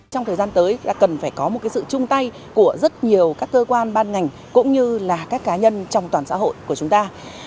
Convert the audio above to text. trong thời gian tới cần phải có một sự chung tay của rất nhiều các cơ quan ban ngành cũng như là các cá nhân trong toàn xã hội của chúng ta